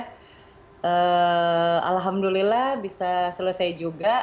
jadi alhamdulillah bisa selesai juga